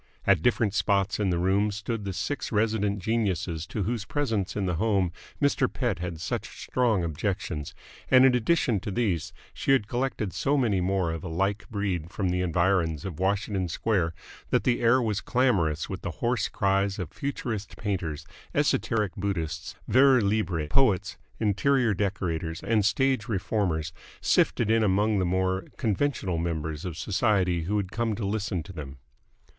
At different spots in the room stood the six resident geniuses to whose presence in the home Mr. Pett had such strong objections, and in addition to these she had collected so many more of a like breed from the environs of Washington Square that the air was clamorous with the hoarse cries of futurist painters, esoteric Buddhists, vers libre poets, interior decorators, and stage reformers, sifted in among the more conventional members of society who had come to listen to them.